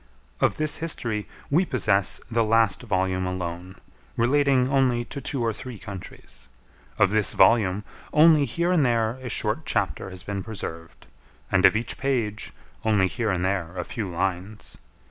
Of this history we possess the last volume alone, relating only to two or three countries. Of this volume, only here and there a short chapter has been preserved, and of each page, only here and there a few lines.